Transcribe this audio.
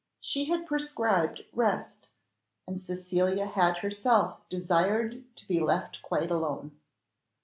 She had prescribed rest, and Cecilia had herself desired to be left quite alone.